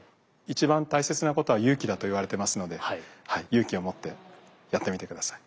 一番大切なことは勇気だと言われてますので勇気を持ってやってみて下さい。